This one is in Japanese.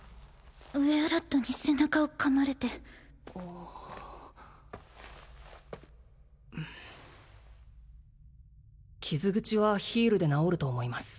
ウェアラットに背中を噛まれて傷口はヒールで治ると思います